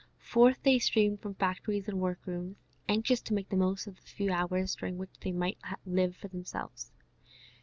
Forth they streamed from factories and workrooms, anxious to make the most of the few hours during which they might live for themselves.